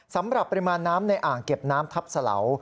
สำหรับปริมาณน้ำในอ่างเก็บน้ำทับสะเหลา